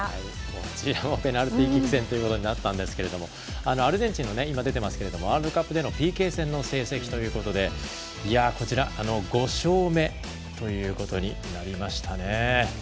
こちらもペナルティーキック戦ということになったんですがアルゼンチンは今出ていますがワールドカップでのＰＫ戦の成績ということでこちら５勝目ということになりましたね。